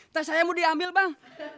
tas saya mau diambil bang